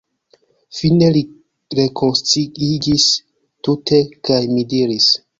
Fine li rekonsciiĝis tute, kaj mi diris: